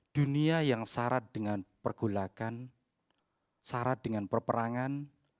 dunia yang syarat dengan pergolakan syarat dengan peperangan